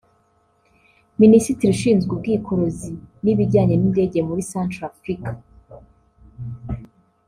Minisitiri ushinzwe ubwikorezi n’ibijyanye n’indege muri Centrafrica